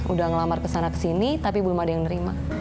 udah ngelamar kesana kesini tapi belum ada yang nerima